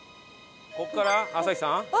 ここから朝日さん？